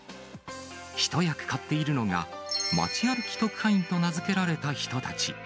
一役買っているのが、まち歩き特派員と名付けられた人たち。